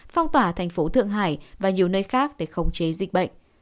phong tỏa thành phố thượng hải và nhiều nơi khác để khống chế dịch bệnh